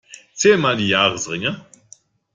Zähl mal die Jahresringe.